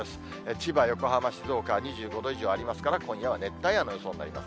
千葉、横浜、静岡は２５度以上ありますから、今夜は熱帯夜の予想になります。